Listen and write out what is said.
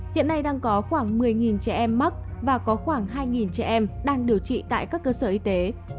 hiện nay đang có khoảng một mươi trẻ em mắc và có khoảng hai trẻ em đang điều trị tại các cơ sở y tế